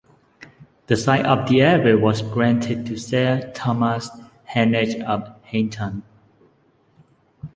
The site of the abbey was granted to Sir Thomas Heneage of Hainton.